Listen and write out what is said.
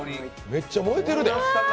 めっちゃ燃えてるで！